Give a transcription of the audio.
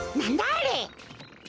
あれ。